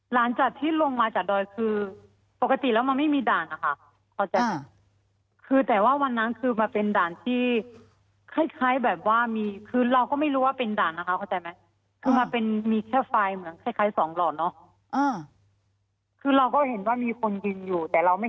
หลังจากที่ลงมาจ่ะดอยคือปกติแล้วมันมีด่านนะคะ